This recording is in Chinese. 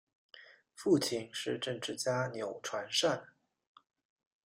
父亲是政治家钮传善。